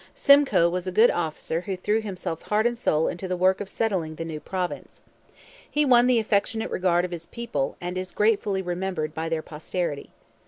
Simcoe was a good officer who threw himself heart and soul into the work of settling the new province. He won the affectionate regard of his people and is gratefully remembered by their posterity.